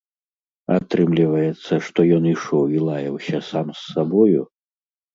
Атрымліваецца, што ён ішоў і лаяўся сам з сабою?